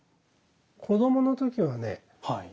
子どもの時はね